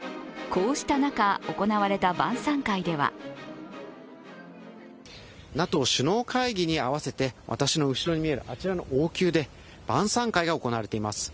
こうした中、行われた晩さん会ではＮＡＴＯ首脳会議に合わせて、私の後ろに見えるあちらの王宮で晩さん会が行われています。